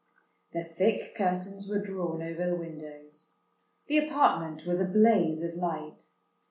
The thick curtains were drawn over the windows: the apartment was a blaze of light.